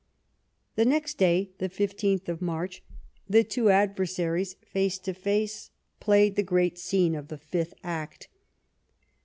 The next day, the 15th of March, the two adver 229 Bismarck saries, face to face, played the great scene of the fifth act.